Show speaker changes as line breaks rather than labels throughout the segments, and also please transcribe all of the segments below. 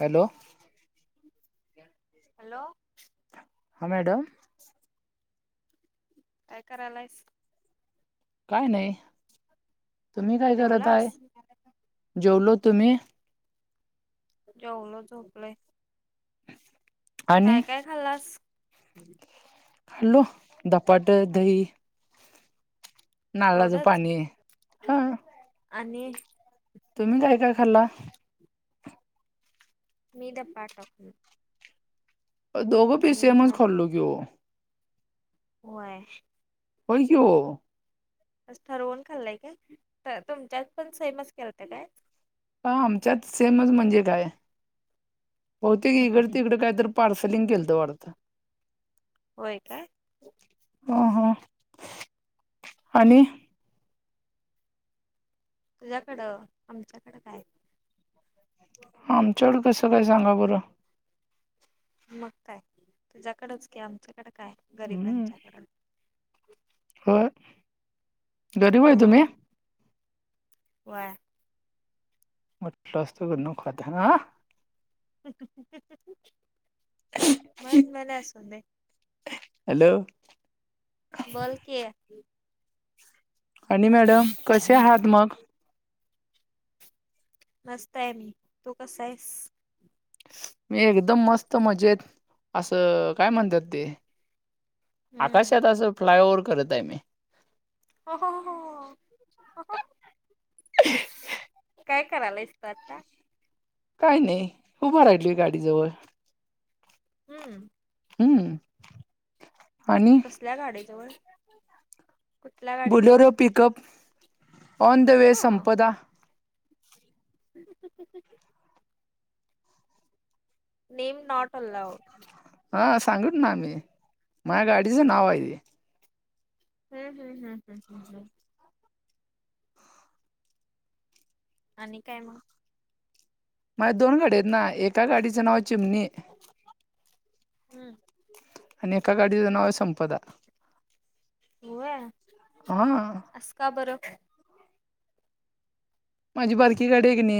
Hello
hello
हा madam.
काय करायलायस.
काय नाही, तुम्ही काय करत आहे.
जेवलास?
जेवलो तुम्ही.
जेवूनच झोपलंय.
आणि
काय काय खाल्लास.
हॅलो, दपाट दही. नारळाचं
तेवढंच
पाणी हा
आणि,
तुम्ही काय काय खाल्ला.
मी दपा ठाकूण.
अ दोघो पीस सेमच
भात
खालो की ओ.
होय.
होय की ओ.
आज ठरवून खाल्लंय काय, तर तुमच्यात पण सेमच केलंत काय.
ह आमच्यात सेमच म्हणजे काय, बहुतेक इकडं ति इकडं काय तर. पार्सलिंग केलंत वाटतं.
होय काय?
अ ह आणि
तुझ्याकडं आमच्याकडं काय?
आमच्याकड कसं काय सांगा बरं.
मग काय तुझ्याकडच कि आमच्याकडे काय गरिबांच्याकडं.
हो.
हां वाय
म्हठला असतो क नव खाता ह ना.
मन मला असू दे.
हॅलो.
बोल की.
आणि मॅडम कसे आहात मग?
मस्त आहे मी तू कसा आहेस?
मी एकदम मस्त मजेत असं काय म्हणत्यात ते
हम्म
आकाशात असं फ्लायओव्हर करत आहे मी.
[unintelligible] काय करायलास तू आता?
काही नाही उभं राहिलय गाडीजवळ.
हम्म.
हम्म आणि
कसल्या गाड्याजवळ? कुठल्या गाडीजवळ
Bolero pickup on the way
हा.
संपदा
[unintelligible] [unintelligible]
हा सांगुत ना आम्ही माझ्या गाडीचं नाव आहे ते.
हम्म हम्म हम्म हम्म हम्म हम्म. आणि काय मग?
माया दोन गाडयेत आहे ना एका गाडीचा नाव चिमणे
हम्म.
आणि एका गाडीचं नाव आहे संपदा.
होय.
हां.
अस का बरं?
माझी बारकी गाडी आहे क नी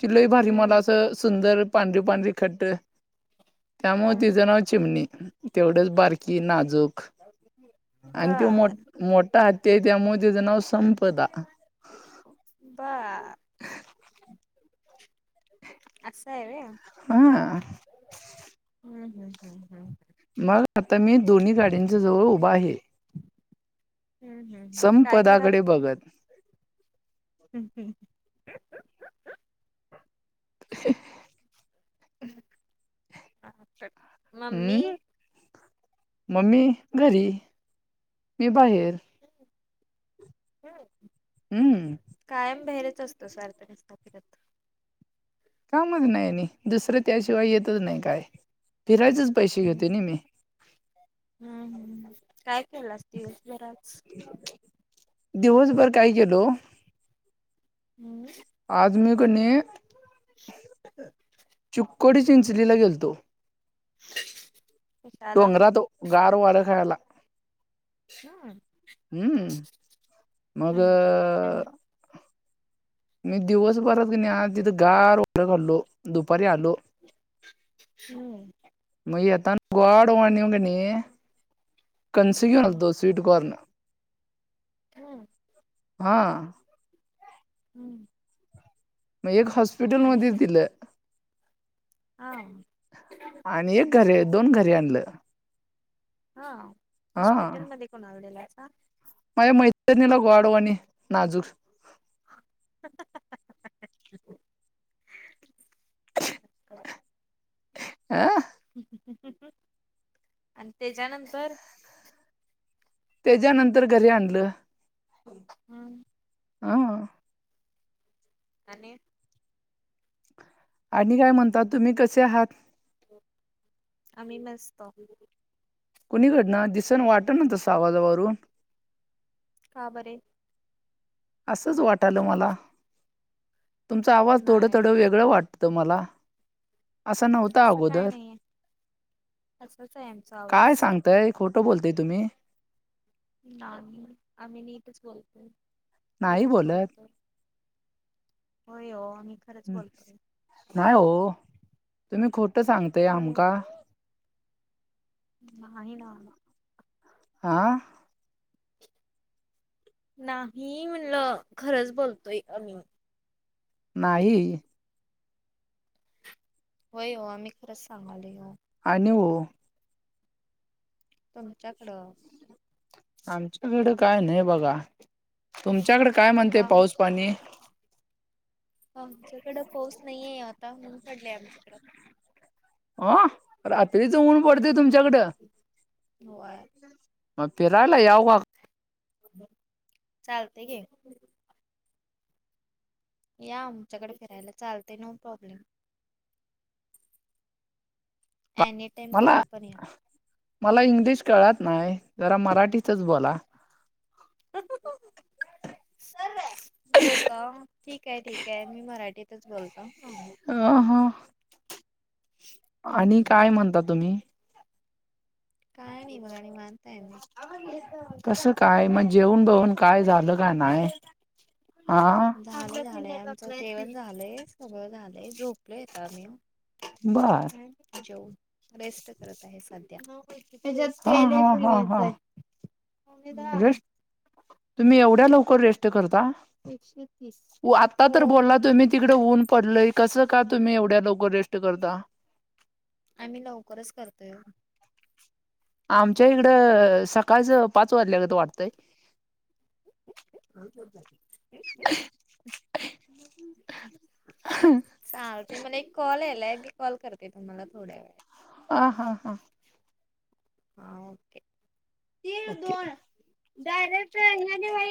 ची लई भारी मला
हम्म
असं सुंदर पांढरी पांढरी खट्ट त्यामुळे
हम्म.
तिचं नाव चिमणी. तेवढच बारकी नाजूक आणि त्यो मो
बर
मोठा ते त्यामुळे त्याचं नाव संपदा
बा
[inaudible]
असा आहे वेया
हां.
हम्म हम्म हम्म हम्म.
मग आता मी दोन्ही गाड्यांंच्या जवळ उभा आहे.
हम्म हम्म हम्म काय करात?
संपदाकडे बघत
[unintelligible]
[inaudible]
[unintelligible] कट
हम्म मम्मी घरी मी बाहेर.
हम हम.
हम्म.
कायम बाहेरेच असतो सारखा नुसता फिरत.
कामच नाय नी दुसरं त्याशिवाय येतच नाही काय फिरायचेच पैसे
हम्म.
घेतो नी मी.
हम्म हम्म काय केलास दिवसभरच?
दिवसभर काय केलो
हम्म
आज मी कणी
[unintelligible]
चुक्कोडी चिंचलीला गेलतो.
[inaudible]
डोंगरात, गार वार खायाला.
हम्म.
हम्म, मग
हम्म आणि
मी दिवस भरात का नाही आ तिथं गार वारा खालो, दुपारी आलो.
हम्म.
मग येता गोड वाणींगणे, कणस घेऊन
हम्म
तो स्वीटकॉर्न.
हम.
हा.
हम्म.
मग एक हॉस्पिटल
आणि
मध्येच दिलं.
हा.
आणि एक घरे दोन घरे आणलं.
हा
हा
हॉस्पिटलमध्ये कोणाला दिलायसा?
माझ्या मैत्रिणीला गॉड वाणी नाजूक.
[inaudible]
[inaudible]
[inaudible]
आ.
आणि त्याच्यानंतर,
त्याच्यानंतर घरी आणलं.
हम्म
हा.
आणि.
आणि काय म्हणतात तुम्ही कसे आहात?
आम्ही नसतो.
कोणीकडन, दिसन वाटना तसं आवाजावरून!
का बरे.
असंच वाटालं मला, तुमचा आवाज थोडं
नाय
थोडं
नाही
वेगळं वाटत मला. असं नव्हता
असं काय
अगोदर,
नाहीये असंच आहे आमचा
काय
आवाज
सांग तय खोटं बोलतय तुम्ही!
नाही, आम्ही नीटच बोलतोय,
नाही
खरंच
बोलत
बोलतो. होय हो आम्ही खरंच बोलतो.
नाही हो, तुम्ही खोटं सांगतेय
होय हो.
आमका.
नाही ना!
हा.
नाही म्हणलं, खरंच बोलतोय आमी.
नाही.
होय हो आम्ही खरंच सांगाल हो.
आणि ओ.
तुमच्या कडं!
आमच्याकडे काय नाही बघा, तुमच्याकडे काय म्हणते
का
पाऊस पाणी?
हा आमच्याकडं पाऊस नाहीये आता, उन पडलाय आमच्याकडं.
ओ वा रात्रीचा ऊन पडतेय तुमच्याकडं?
होया
म फिरायला याव का?
चालते घे या आमच्याकडे फिरायला चालते नो प्रॉब्लेम. एनी टाइम
मला
कधी पण या
मला इंग्लिश कळत नाही जरा मराठीचच बोला.
हो का ठीक आहे ठीक आहे मी मराठी तेच बोलता. [unintelligible]
हां हां. आणि
हम्म.
काय म्हणता तुम्ही?
काय नी बगाणी मानता आहे मे
कसं काय म जेवन बेवन काय झालं का नाय?
झाले झालंय आमचं जेवण झालंय, सगळं झालंय झोपलेयेत आम्ही.
बर
जेऊन रेस्ट करत आहे सद्या.
हा हा हा हा
हम्म.
रेस तुम्ही एवढ्या लवकर रेस्ट करता? व आता
हो
तर बोलला तुम्ही तिकडे ऊन पडलय कसं का तुम्ही एवढ्या लवकर रेस्ट करता.
आम्ही लवकरच करतोय हो.
आमच्या इकडं सकाळचं पाच वाजल्यागत वाटतंय.
[unintelligible] चालते मला एक कॉल यालाय की मी कॉल करते तुम्हाला थोड्या वेळायत.
आ हा हां.
हा ओके.
तिळ दोन डायरेक्ट आहे ही आणि वई